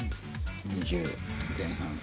２０前半。